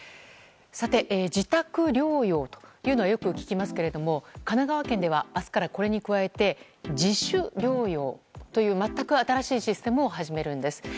自宅療養というのはよく聞きますが神奈川県では明日からこれに加えて自主療養という全く新しいシステムを始めるんです。